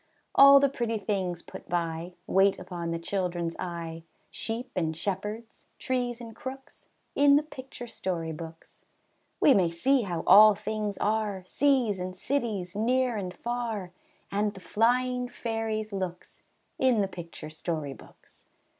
All the pretty things put by, Wait upon the children's eye, Sheep and shepherds, trees and crooks, In the picture story books. We may see how all things are, Seas and cities, near and far, And the flying fairies' looks, In the picture story books.